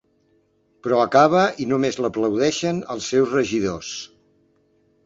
Però acaba i només l’aplaudeixen els seus regidors.